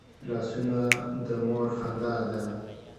لاسونه د مور خندا ده